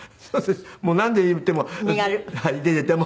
もうなんて言っても。